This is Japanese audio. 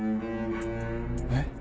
えっ？